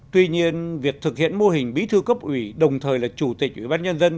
tuy nhiên việc thực hiện mô hình bí thư cấp ủy đồng thời là chủ tịch ủy ban nhân dân